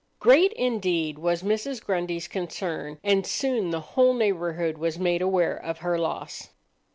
Great indeed was Mrs. Grundy's concern, and soon the whole neighbourhood was made aware of her loss.